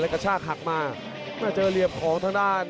มันกำเท่าที่เขาซ้ายมันกำเท่าที่เขาซ้าย